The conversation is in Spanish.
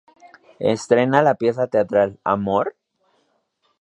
Estrena la pieza teatral “¿Amor?...